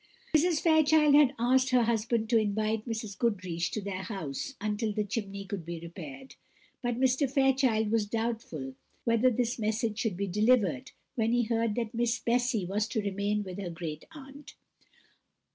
Mrs. Fairchild had asked her husband to invite Mrs. Goodriche to their house until the chimney should be repaired; but Mr. Fairchild was doubtful whether this message should be delivered, when he heard that Miss Bessy was to remain with her great aunt.